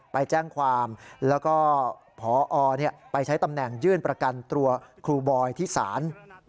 ไปแจ้งความแล้วก็พอไปใช้ตำแหน่งยื่นประกันตัวครูบอยที่ศาล